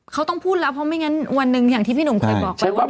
เขาต้องพูดแล้วเพราะไม่งั้นวันหนึ่งอย่างที่พี่หนุ่มเคยบอกไปว่า